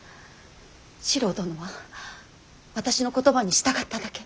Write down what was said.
四郎殿は私の言葉に従っただけ。